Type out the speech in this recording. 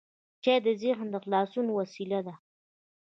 چای د ذهن د خلاصون وسیله ده.